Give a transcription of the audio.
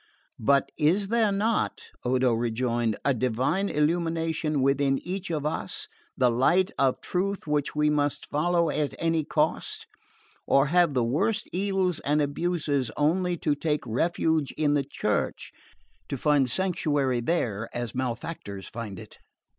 "But is there not," Odo rejoined, "a divine illumination within each of us, the light of truth which we must follow at any cost or have the worst evils and abuses only to take refuge in the Church to find sanctuary there, as malefactors find it?"